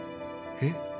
えっ？